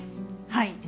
はい。